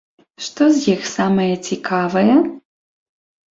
Што з іх самае цікавае?